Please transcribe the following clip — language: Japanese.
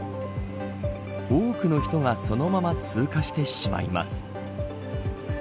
多くの人がそのまま通過してしまいます。